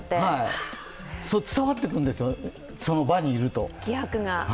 伝わってくるんですよ、その場にいると。